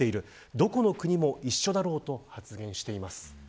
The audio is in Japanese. どこの国も一緒だろうと発言しています。